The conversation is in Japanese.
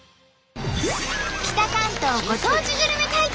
北関東ご当地グルメ対決